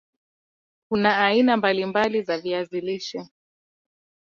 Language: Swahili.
kuna aina mbali mbali za viazi lishe